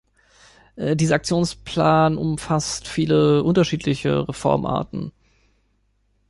Dieser Aktionsplan umfasst viele unterschiedliche Reformarten.